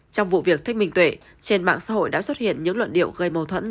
trong vụ việc thích minh tuệ trên mạng xã hội đã xuất hiện những luận điệu gây mâu thuẫn